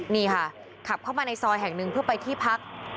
นี่ค่ะขับเข้ามาในซอยแห่งหนึ่งเพื่อไปที่พัก